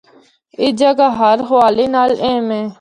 اے جگہ ہر حوالے نال اہم ہے۔